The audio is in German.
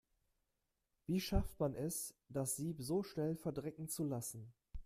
Wie schafft man es, das Sieb so schnell verdrecken zu lassen?